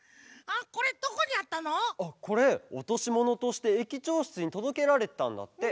あっこれおとしものとして駅長しつにとどけられてたんだって。